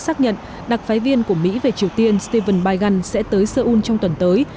xác nhận đặc phái viên của mỹ về triều tiên stephen biden sẽ tới seoul trong tuần tới